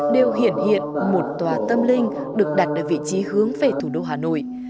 đều hiển hiện hiện một tòa tâm linh được đặt ở vị trí hướng về thủ đô hà nội